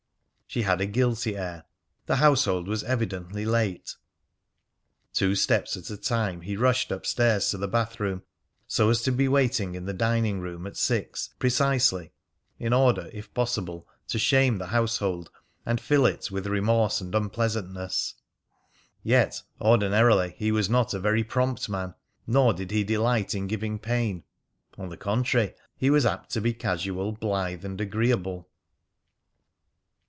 She had a guilty air. The household was evidently late. Two steps at a time he rushed up stairs to the bathroom, so as to be waiting in the dining room at six precisely, in order, if possible, to shame the household and fill it with remorse and unpleasantness. Yet, ordinarily, he was not a very prompt man, nor did he delight in giving pain. On the contrary, he was apt to be casual, blithe, and agreeable.